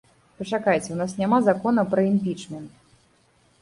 Пачакайце, у нас няма закона пра імпічмент.